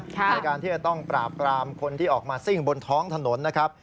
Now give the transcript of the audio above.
ในการที่จะต้องปราบปรามคนที่ออกมาซิ่งบนท้องถนนนะครับ